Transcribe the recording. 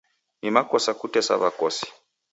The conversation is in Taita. Ni makosa kutesa w'akosi.